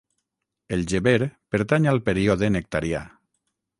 El Geber pertany al període nectarià.